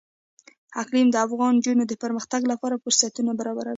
اقلیم د افغان نجونو د پرمختګ لپاره فرصتونه برابروي.